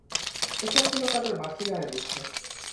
এসব ছিল তাদের বাড়তি আয়ের উৎস।